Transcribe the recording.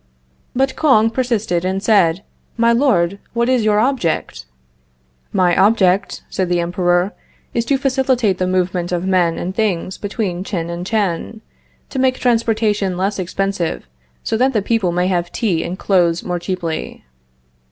But Kouang persisted and said: "My Lord, what is your object?" "My object," said the Emperor, "is to facilitate the movement of men and things between Tchin and Tchan; to make transportation less expensive, so that the people may have tea and clothes more cheaply."